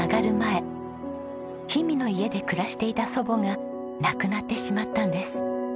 氷見の家で暮らしていた祖母が亡くなってしまったんです。